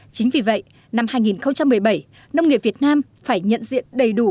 chính vì vậy năm hai nghìn một mươi bảy nông nghiệp việt nam phải nhận diện đầy đủ